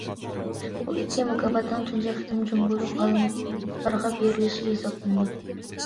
بۇ ئىككى مۇكاپاتنىڭ تۇنجى قېتىم جۇڭگولۇق ئالىملارغا بېرىلىشى ھېسابلىنىدۇ.